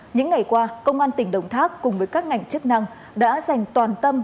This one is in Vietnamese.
những ngày qua công an tỉnh đồng tháp cùng với các ngành chức năng đã dành toàn tâm